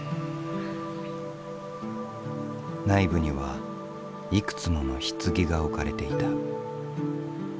内部にはいくつものひつぎが置かれていた。